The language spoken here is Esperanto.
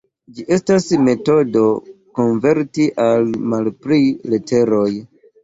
Ĝi estas metodo konverti al malpli leteroj.